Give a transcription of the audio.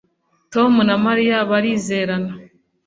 Tom na Mariya barizerana